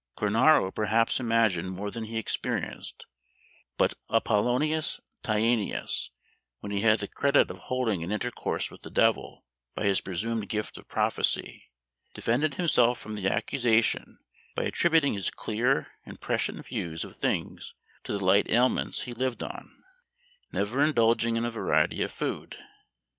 Cornaro perhaps imagined more than he experienced; but Apollonius Tyaneus, when he had the credit of holding an intercourse with the devil, by his presumed gift of prophecy, defended himself from the accusation by attributing his clear and prescient views of things to the light aliments he lived on, never indulging in a variety of food.